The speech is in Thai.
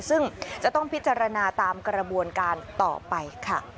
ซึ่งจะต้องพิจารณาตามกระบวนการต่อไปค่ะ